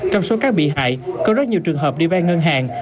trong số các bị hại có rất nhiều trường hợp đi vay ngân hàng